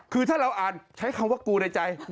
คือถ้าเราอ่านใช้คำว่ากูในใจ